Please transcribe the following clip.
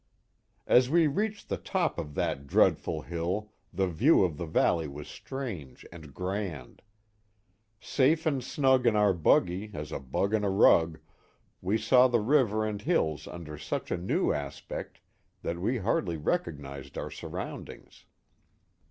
As we reached the top of that dreadful hill the view of the valley was strange and grand. Safe and snug in our buggy as a bug in a rug, we saw the river and hills under such a new aspect that we hardly recognized our surroundings.